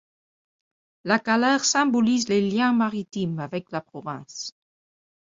La galère symbolise les liens maritimes avec la province.